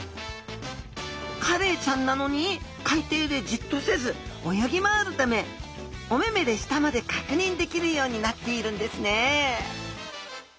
カレイちゃんなのに海底でじっとせず泳ぎ回るためお目々で下まで確認できるようになっているんですね